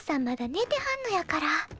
まだねてはんのやから。